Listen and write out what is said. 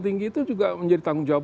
tinggi itu juga menjadi tanggung jawab